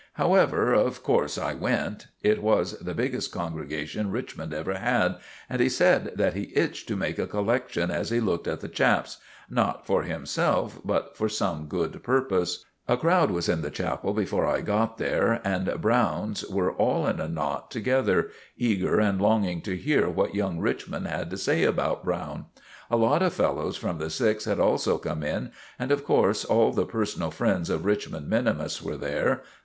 However, of course I went. It was the biggest congregation Richmond ever had, and he said that he itched to make a collection as he looked at the chaps—not for himself but for some good purpose. A crowd was in the chapel before I got there, and Browne's were all in a knot together, eager and longing to hear what young Richmond had to say about Browne. A lot of fellows from the sixth had also come in, and of course all the personal friends of Richmond minimus were there.